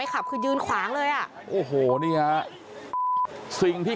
กลับไปลองกลับ